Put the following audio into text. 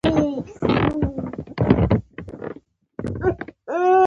په غولانځه کې هډو کى مه لټوه